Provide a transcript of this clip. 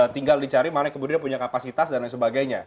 tinggal dicari mana yang kemudian punya kapasitas dan lain sebagainya